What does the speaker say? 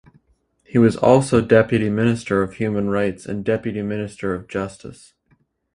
He was also deputy minister of human rights and deputy minister of justice.